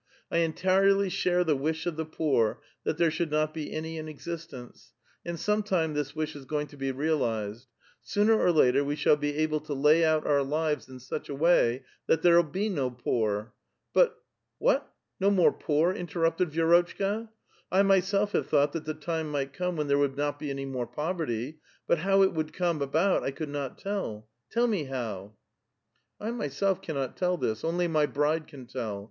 1 entirely share the wish of the poor that there should not be any in existence, and some time this wish is going to be realized ; sooner or later we shall be able to lay out our lives in such a way that there'll be no \yoor ; but —""^ What, no more poor ?" interrupted Vi^rotchka. " I my self have thought that the time might come when there would not be any more poverty* ; but how it would come about I could not tell ; tell me how 1 "" I myself cannot tell this ; only my bride can tell.